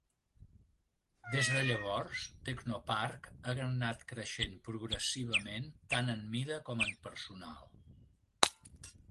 Des de llavors, Technopark ha anat creixent progressivament tant en mida com en personal.